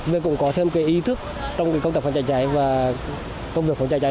với cùng có thêm ý thức trong công tác phòng cháy cháy và công việc phòng cháy cháy